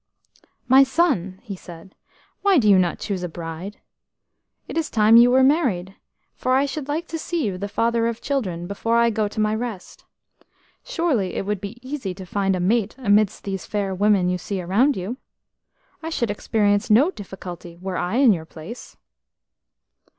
"My son," he said, "why do you not choose a bride? It is time you were married, for I should like to see you the father of children before I go to my rest. Surely it would be easy to find a mate amidst these fair women you see around you? I should experience no difficulty were I in your place."